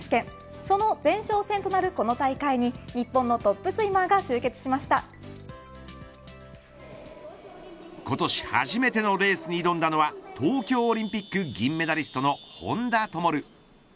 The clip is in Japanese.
その前哨戦となるこの大会に日本のトップスイマーが今年初めてのレースに挑んだのは東京オリンピック銀メダリストの本多灯。